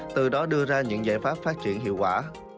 từ đó đưa ra những giải pháp phát triển hiệu quả